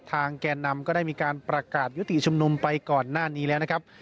แก่นำก็ได้มีการประกาศยุติชุมนุมไปก่อนหน้านี้แล้วนะครับ